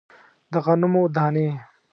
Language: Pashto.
د غنمو دانې